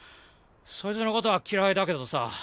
そいつのことは嫌いだけどさ